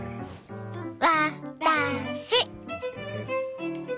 わ・た・し！